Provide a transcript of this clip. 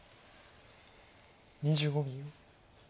２５秒。